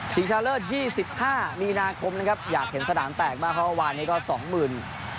ชิงชาเลิศยี่สิบห้ามีนาคมนะครับอยากเห็นสถานแตกมากเพราะว่าวันนี้ก็สองหมื่น